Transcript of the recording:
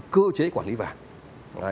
cơ chế quản lý vàng